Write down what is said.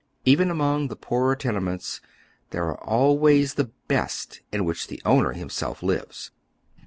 Even among the poorer tenements, those are always the best in which the owner himseJf lives.